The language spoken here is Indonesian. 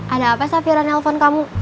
ada apa safiran nelfon kamu